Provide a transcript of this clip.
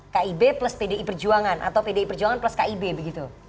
kib plus pdi perjuangan atau pdi perjuangan plus kib begitu